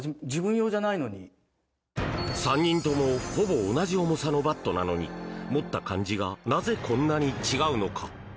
３人ともほぼ同じ重さのバットなのに持った感じがなぜこんなに違うのか。